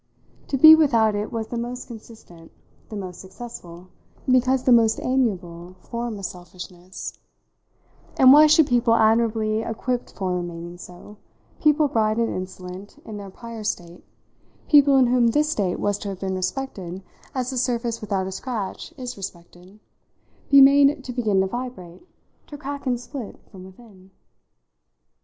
To be without it was the most consistent, the most successful, because the most amiable, form of selfishness; and why should people admirably equipped for remaining so, people bright and insolent in their prior state, people in whom this state was to have been respected as a surface without a scratch is respected, be made to begin to vibrate, to crack and split, from within?